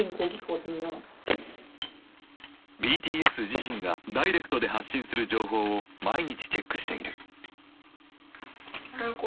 ＢＴＳ自身がダイレクトで発信する情報を毎日チェックしている。